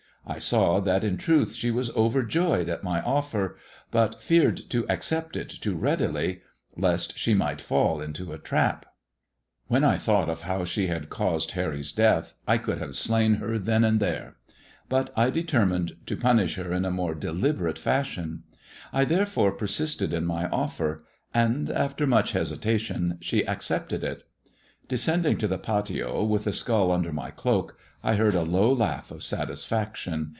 I saw that in truth she was overjoyed at my 'THE TALE OF THE TURQUOISE SKULL' 239 accept it too readily, lest she might fall When I thought of how she had caneed Harry'B death I Quld have slain her then and there. But I determined to 240 ' THE TALE OF THE TURQUOISE SKULL ' punish her in a more deliberate fashion. I therefore per sisted in my offer ; and after much hesitation she accepted it. Descending to the patio with the skull under my cloak, I heard a low laugh of satisfaction.